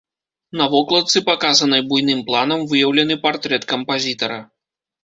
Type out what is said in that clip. На вокладцы, паказанай буйным планам, выяўлены партрэт кампазітара.